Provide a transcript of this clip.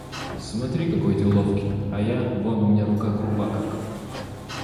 Смотри, какой ты ловкий, а я — вон у меня рука груба как.